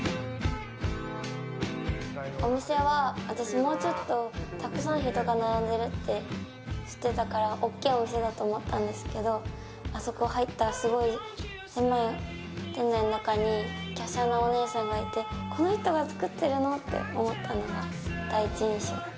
お店は、私、もうちょっとたくさん人が並んでるって知ってたから大きいお店だと思ったんですけどあそこに入ったら、店内の中に華奢なお姉さんがいてこの人が作ってるの？って思ったのが、第一印象。